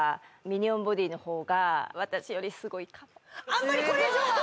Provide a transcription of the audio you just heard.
あんまりこれ以上は！